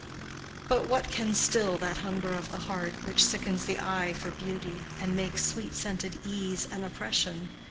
But what can still that hunger of the heart which sickens the eye for beauty, and makes sweet scented ease an oppression?